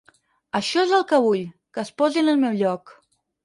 Això és el que vull, que es posi en el meu lloc.